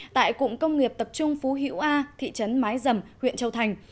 tại cụng công nghiệp tập trung phú hữu a thị trấn mái dầm huyện châu thành